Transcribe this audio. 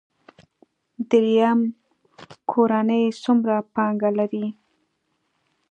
دریم کورنۍ څومره پانګه لري.